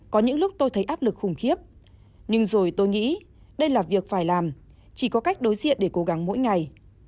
có những lúc tôi thấy áp lực khủng khiếp nhưng rồi tôi nghĩ đây là việc phải làm chỉ có cách đối diện để cố gắng mỗi ngày